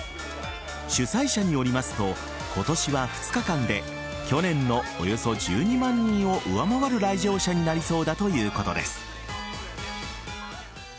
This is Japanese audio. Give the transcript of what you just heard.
主催者によりますと今年は２日間で去年のおよそ１２万人を上回る来場者になりそうだということです。